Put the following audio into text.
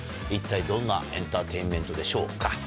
一体どんなエンターテインメントでしょうか。